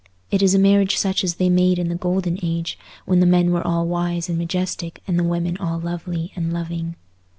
It is a marriage such as they made in the golden age, when the men were all wise and majestic and the women all lovely and loving.